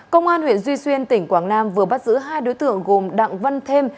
công an huyện duy xuyên tỉnh quảng nam vừa bắt giữ hai đối tượng gồm đặng văn thêm